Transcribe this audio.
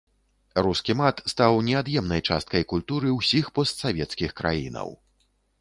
Рускі мат стаў неад'емнай часткай культуры ўсіх постсавецкіх краінаў.